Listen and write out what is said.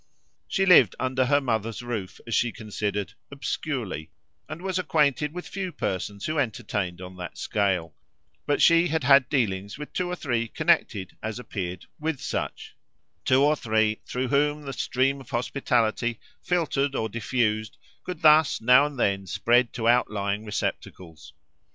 She lived under her mother's roof, as she considered, obscurely, and was acquainted with few persons who entertained on that scale; but she had had dealings with two or three connected, as appeared, with such two or three through whom the stream of hospitality, filtered or diffused, could thus now and then spread to outlying receptacles.